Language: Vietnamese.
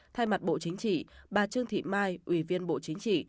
thay mặt bộ chính trị bà trương thị mai ủy viên bộ chính trị